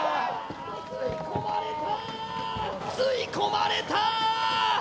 吸い込まれたー！